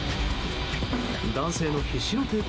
男性の必死の抵抗